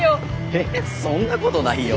えそんなことないよ。